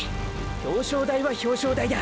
表彰台は「表彰台」だ！！